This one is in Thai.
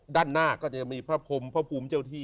ด้านหน้าก็จะมีพระพรมพระภูมิเจ้าที่